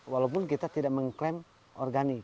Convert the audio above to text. walaupun kita tidak mengklaim organik